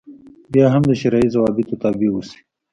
بیا هم د شرعي ضوابطو تابع اوسي.